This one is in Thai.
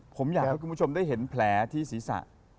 ผมอยากให้คุณผู้ชมได้เห็นแผลที่ศีรษะ